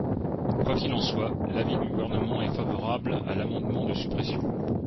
Quoi qu’il en soit, l’avis du Gouvernement est favorable à l’amendement de suppression.